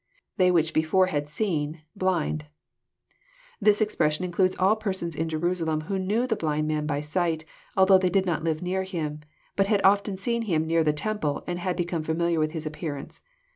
[^They which before had 8een...hlind,'] This expression includes all persons in Jerusalem who knew the blind man by sight, though they did not live near him, but had often seen him near the temple and had become familiar with his appearance.